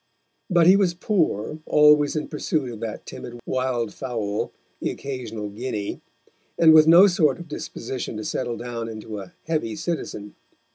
But he was poor, always in pursuit of that timid wild fowl, the occasional guinea, and with no sort of disposition to settle down into a heavy citizen.